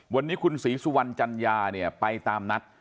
วันนี้คุณศรีสุวรรณจัญญาเนี่ยไปตามนัด